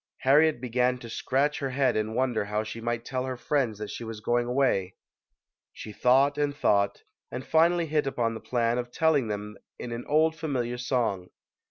Harriet began to scratch her head and wonder how she might tell her friends that she was going away. She thought and thought, and finally hit upon the plan of telling them in an old familiar song.